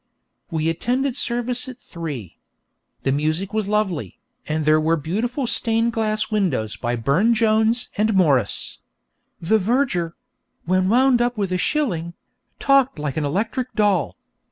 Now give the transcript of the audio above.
We attended service at three. The music was lovely, and there were beautiful stained glass windows by Burne Jones and Morris. The verger (when wound up with a shilling) talked like an electric doll.